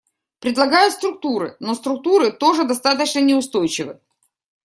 Предлагают структуры, но структуры тоже достаточно неустойчивы.